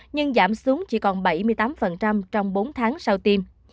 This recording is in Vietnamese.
nhưng giảm xuống chỉ còn bảy mươi tám trong bốn tháng sau tiêm